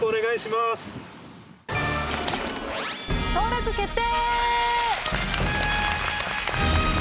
登録決定！